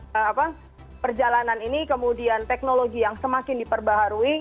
karena perjalanan ini kemudian teknologi yang semakin diperbaharui